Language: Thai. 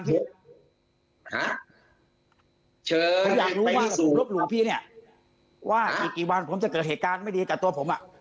ผมอยากรู้ว่ารบหลู่พี่เนี่ยว่าอีกกี่วันผมจะเกิดเหตุการณ์ไม่ดีกับตัวผมอ่ะ